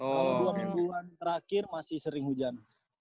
kalau dua mingguan terakhir masih sering hujan